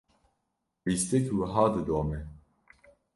lîstik wiha didome.